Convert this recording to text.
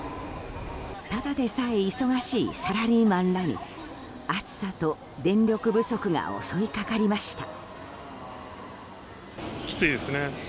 ただでさえ忙しいサラリーマンらに暑さと電力不足が襲いかかりました。